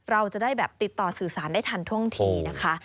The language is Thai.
เราจะได้แบบติดต่อสื่อสารได้ทันท่วงทีนะคะ